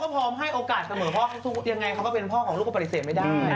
พอพร้อมให้โอกาสเขาเป็นพ่อของพี่แอ้มป่าลิเซ็นไม่ได้